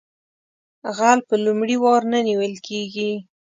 غل په لومړي وار نه نیول کیږي